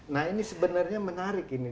nah ini sebenarnya menarik ini